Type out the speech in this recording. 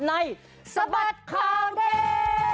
ในสบัดคาวเตศ